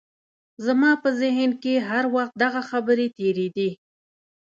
زما په ذهن کې هر وخت دغه خبرې تېرېدې.